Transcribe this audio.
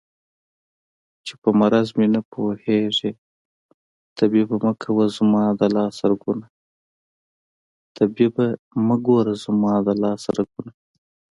چې په مرض مې نه پوهېږې طبيبه مه ګوره زما د لاس رګونه